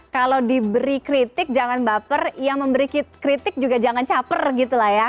kalau diberi kritik jangan baper yang memberi kritik juga jangan caper gitu lah ya